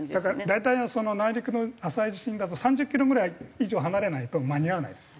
大体内陸の浅い地震だと３０キロぐらい以上離れないと間に合わないです。